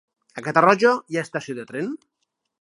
A Catarroja hi ha estació de tren?